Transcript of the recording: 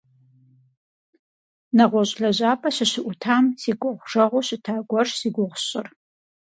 НэгъуэщӀ лэжьапӀэ сыщыӀутам си кӀуэгъужэгъуу щыта гуэрщ зи гугъу сщӀыр.